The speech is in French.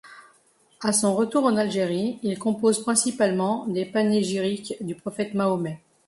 À son retour en Algérie, il compose principalement despanégyriques du prophète Mahomet.